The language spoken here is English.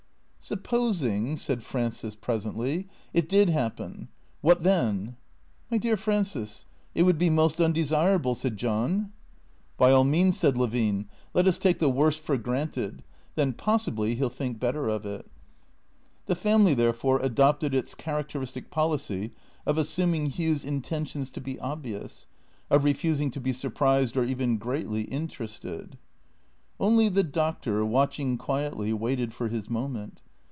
" Supposing," said Frances presently, " it did happen — what then?" " My dear Frances, it would be most undesirable," said John. " By all means," said Levine, " let us take the worst for granted. Then possibly he '11 think better of it." The family, therefore, adopted its characteristic policy of assuming Hugh's intentions to be obvious, of refusing to be sur prised or even greatly interested. Only the Doctor, watching quietly, waited for his moment.